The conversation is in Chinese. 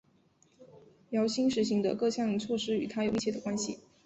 姚兴实行的各项措施与他有密切的关系。